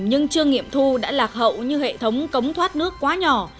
nhưng chưa nghiệm thu đã lạc hậu như hệ thống cống thoát nước quá nhỏ